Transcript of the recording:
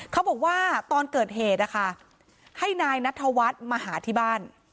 เขาบอกว่าตอนเกิดเหตุนะคะให้นายนัทธวัฒน์มาหาที่บ้าน